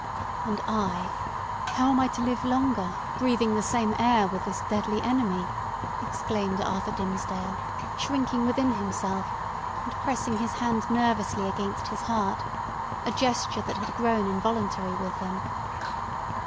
"And I!—how am I to live longer, breathing the same air with this deadly enemy?" exclaimed Arthur Dimmesdale, shrinking within himself, and pressing his hand nervously against his heart—a gesture that had grown involuntary with him.